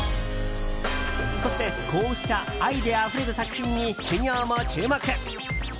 そしてこうしたアイデアあふれる作品に企業も注目。